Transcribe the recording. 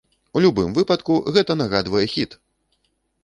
У любым выпадку гэта нагадвае хіт!